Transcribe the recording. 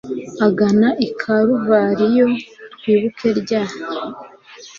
agana i karuvariyo, twibuke rya